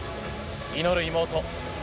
祈る妹。